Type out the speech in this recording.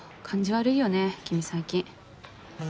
悪いよね君最近。